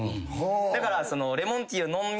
だから。